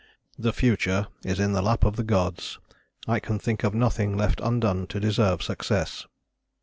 "The future is in the lap of the gods; I can think of nothing left undone to deserve success."